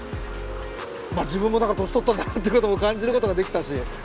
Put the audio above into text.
まあ自分もだから年取ったんだなってことを感じることができたし。